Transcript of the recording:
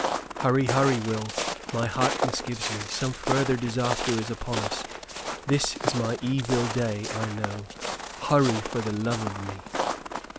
"Hurry, hurry, Will; my heart misgives me. Some further disaster is upon us. This is my evil day, I know. Hurry, for the love of me!"